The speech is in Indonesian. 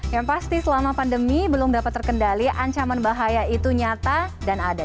yang pasti selama pandemi belum dapat terkendali ancaman bahaya itu nyata dan ada